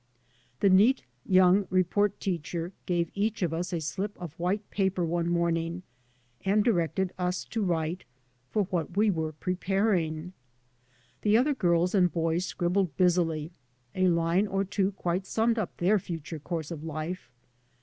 The neat young report teacher gave each of us a slip of white paper one morning, and directed us to write " for what we were pre paring." The other girls and boys scribbled busily; a line or two quite summed up their future course of life.